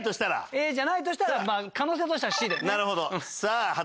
Ａじゃないとしたら可能性としてはＣですね。